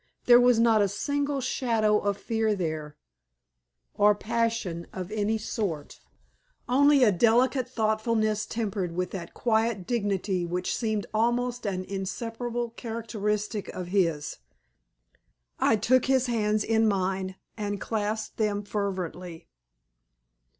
There was not a single shadow of fear there, or passion of any sort; only a delicate thoughtfulness tempered with that quiet dignity which seemed almost an inseparable characteristic of his. I took his hands in mine and clasped them fervently.